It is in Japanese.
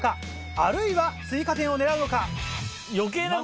あるいは追加点を狙うのか。